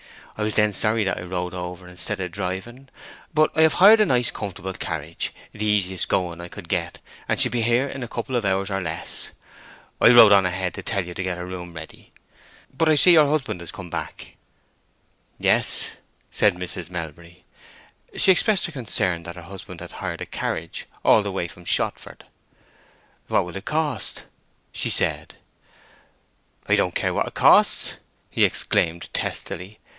I was then sorry that I rode over instead of driving; but I have hired a nice comfortable carriage—the easiest going I could get—and she'll be here in a couple of hours or less. I rode on ahead to tell you to get her room ready; but I see her husband has come back." "Yes," said Mrs. Melbury. She expressed her concern that her husband had hired a carriage all the way from Shottsford. "What it will cost!" she said. "I don't care what it costs!" he exclaimed, testily.